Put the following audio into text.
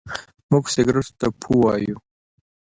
موږ سګرېټو ته پو وايو.